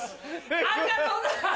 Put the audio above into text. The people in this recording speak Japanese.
ありがとうございます！